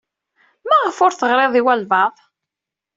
Maɣef ur teɣriḍ i walbaɛḍ?